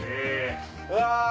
うわ！